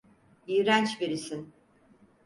İğrenç birisin.